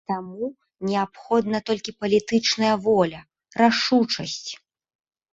І таму неабходна толькі палітычная воля, рашучасць.